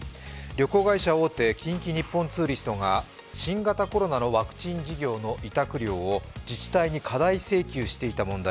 旅行会社大手・近畿日本ツーリストが新型コロナのワクチン事業の委託料を過大請求していた問題。